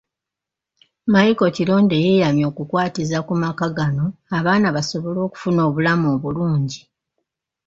Micheal Kironde yeeyamye okukwatiza ku maka gano abaana basobole okufuna obulamu obulungi.